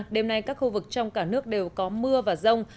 đêm nay các khu vực trong cả nước đều có mưa và rông